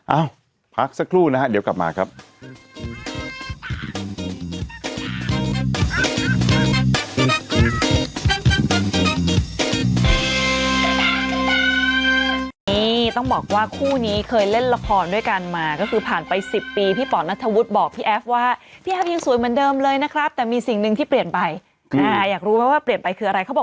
เอ้าพักสักครู่นะฮะเดี๋ยวกลับมาครับ